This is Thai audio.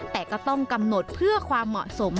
แต่ก็ต้องกำหนดเพื่อความเหมาะสม